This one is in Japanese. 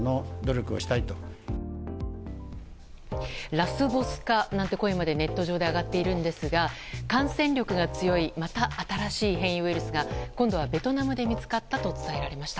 ラスボスか、なんていう声もネット上で上がっているんですが感染力が強いまた新しい変異ウイルスが今度はベトナムで見つかったと伝えられました。